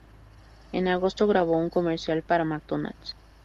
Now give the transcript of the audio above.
En agosto, grabó un comercial para McDonald's.